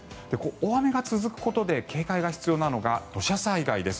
大雨が続くことで警戒が必要なのが土砂災害です。